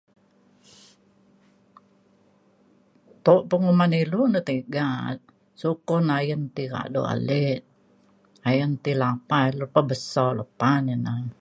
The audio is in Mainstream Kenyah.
Ketok penguman ilu na tiga. Sukun ayen ti kado alek , ayen ti lapah, ilu lepah beso , lepah na ina